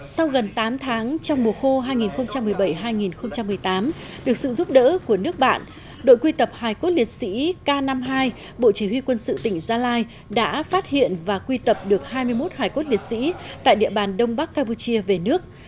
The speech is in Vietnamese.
sau gần tám tháng trong mùa khô hai nghìn một mươi bảy hai nghìn một mươi tám được sự giúp đỡ của nước bạn đội quy tập hải cốt liệt sĩ k năm mươi hai bộ chỉ huy quân sự tỉnh gia lai đã phát hiện và quy tập được hai mươi một hải cốt liệt sĩ tại địa bàn đông bắc campuchia về nước